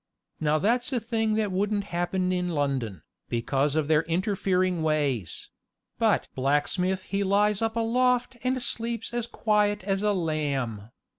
Now that's a thing that wouldn't happen in London, because of their interfering ways; but blacksmith he lies up aloft and sleeps as quiet as a lamb.